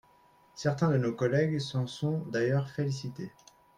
Certains de nos collègues s’en sont d’ailleurs félicités.